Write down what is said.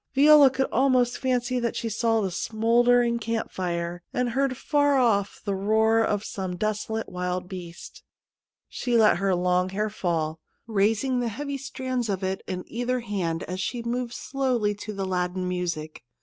Viola could fancy almost that she saw a smouldering camp fire and heard far off the roar of some desolate wild beast. She let her long hair fall, raising the heavy strands of it in either hand as she moved slowly to the laden music.